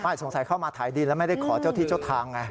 สงสัยเข้ามาถ่ายดินแล้วไม่ได้ขอเจ้าที่เจ้าทางไง